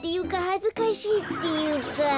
はずかしいっていうか。